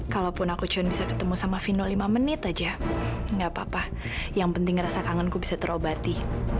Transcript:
kalaupun aku cuman bisa ketemu sama vino lima menit aja nggak papa yang penting rasa kangen ku bisa terobati